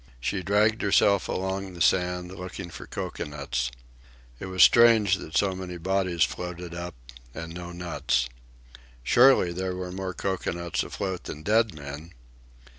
She dragged herself along the sand, looking for cocoanuts. It was strange that so many bodies floated up, and no nuts. Surely, there were more cocoanuts afloat than dead men!